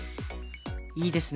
いいですね。